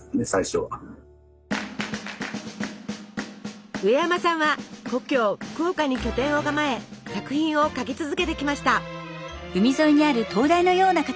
子供のうえやまさんは故郷福岡に拠点を構え作品を描き続けてきました。